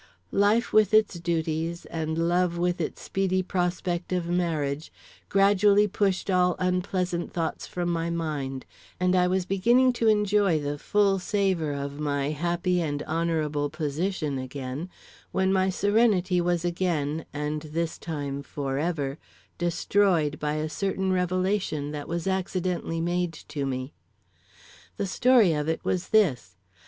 Life with its duties and love with its speedy prospect of marriage gradually pushed all unpleasant thoughts from my mind, and I was beginning to enjoy the full savor of my happy and honorable position again, when my serenity was again, and this time forever, destroyed by a certain revelation that was accidentally made to me. The story of it was this.